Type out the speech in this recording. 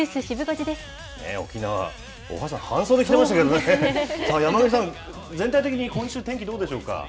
沖縄、大橋さん、半袖でしたけどね、山神さん、全体的に今週、天気どうでしょうか。